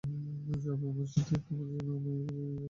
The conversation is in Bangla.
সবাই আমার সামনে তোমরা তোমাদের মায়ের কাছে চিঠি লিখবে।